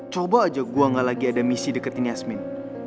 coba aja gue gak lagi ada misi deketin yasmin